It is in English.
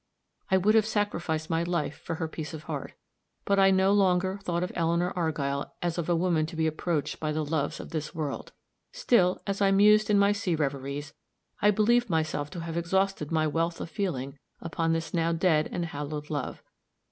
I would have sacrificed my life for her peace of heart; but I no longer thought of Eleanor Argyll as of a woman to be approached by the loves of this world. Still, as I mused in my sea reveries, I believed myself to have exhausted my wealth of feeling upon this now dead and hallowed love.